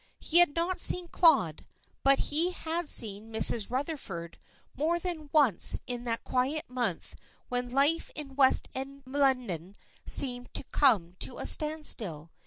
He had not seen Claude; but he had seen Mrs. Rutherford more than once in that quiet month when life in West End London seems to come to a stand still.